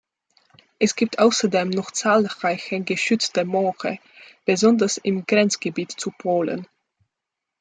Es gibt außerdem noch zahlreiche, geschützte Moore, besonders im Grenzgebiet zu Polen.